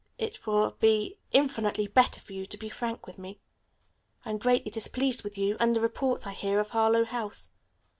It will be infinitely better for you to be frank with me. I am greatly displeased with you and the reports I hear of Harlowe House.